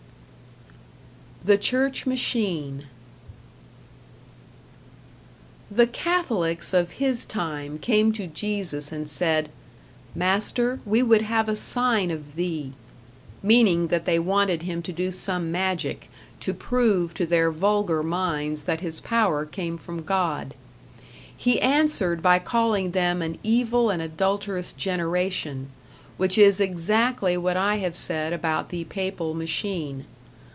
#The Church Machine# The Catholics of His time came to Jesus and said, "Master, we would have a sign of Thee" meaning that they wanted him to do some magic, to prove to their vulgar minds that his power came from God. He answered by calling them an evil and adulterous generation which is exactly what I have said about the Papal machine.